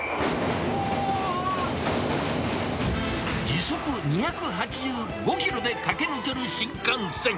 時速２８５キロで駆け抜ける新幹線。